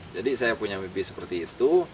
saya punya mimpi seperti itu